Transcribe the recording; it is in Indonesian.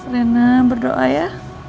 rena berdoa ya